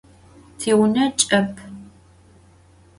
Tiune ç'ep.